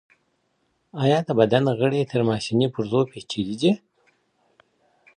آیا د بدن غړي تر ماشیني پرزو پیچلي دي؟